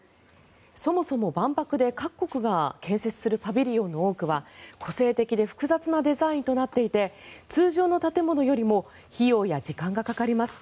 そもそも万博で各国が建設するパビリオンの多くは個性的で複雑なデザインとなっていて通常の建物よりも費用や時間がかかります。